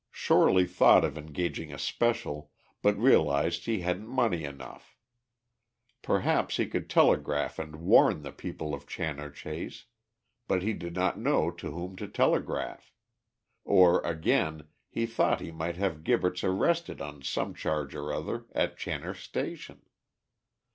Shorely thought of engaging a special, but realised he hadn't money enough. Perhaps he could telegraph and warn the people of Channor Chase, but he did not know to whom to telegraph. Or, again, he thought he might have Gibberts arrested on some charge or other at Channor Station.